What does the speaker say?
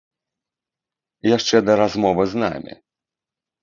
Яшчэ да размовы з намі.